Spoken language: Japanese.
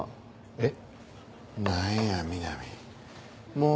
えっ？